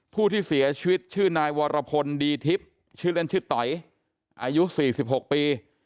ผู้ที่เสียชีวิตชื่อนายวรพลดีทิพย์ชื่อเล่นชื่อต๋อยอายุ๔๖ปี